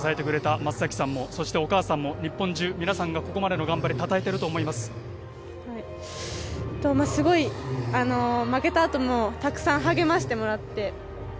松崎さんもそしてお母さんも日本中皆さんがこれまでの頑張りすごい負けたあともたくさん励ましてもらって。